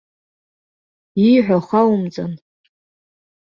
Ииҳәо хаумҵан!